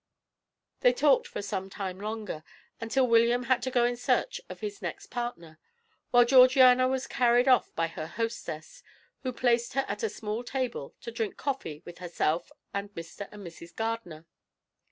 They talked for some time longer, until William had to go in search of his next partner, while Georgiana was carried off by her hostess, who placed her at a small table to drink coffee with herself and Mr. and Mrs. Gardiner.